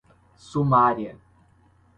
sumária